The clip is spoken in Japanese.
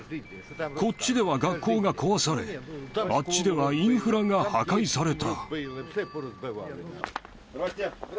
こっちでは学校が壊され、あっちではインフラが破壊された。